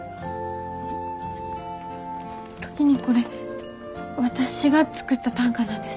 時にこれ私が作った短歌なんです。